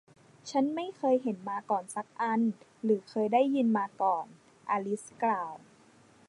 ฉันไม่เคยเห็นมาก่อนสักอันหรือเคยได้ยินมาก่อน อลิซกล่าว